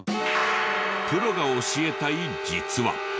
プロが教えたい「実は」。